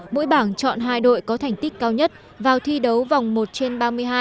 mỗi bảng chọn hai đội có thành tích cao nhất vào thi đấu vòng một trên ba mươi hai